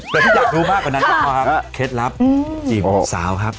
แต่ที่อยากรู้มากกว่านั้นก็พอก็เคล็ดลับจีบสาวครับ